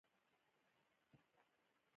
کښېنه تاغاره